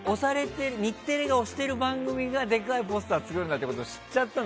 日テレが推してる番組がでかいポスターなんだって知っちゃって。